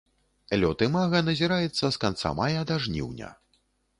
Лёт імага назіраецца з канца мая да жніўня.